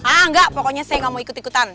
ah enggak pokoknya saya nggak mau ikut ikutan